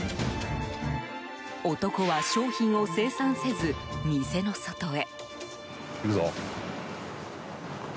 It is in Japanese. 男は商品を精算せず店の外へ。